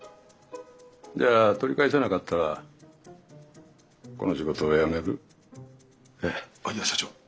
じゃあ取り返せなかったらこの仕事やめる？えっ？いや社長。